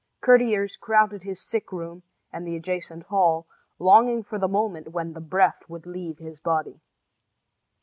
Courtiers crowded his sick room and the adjacent hall, longing for the moment when the breath would leave his body.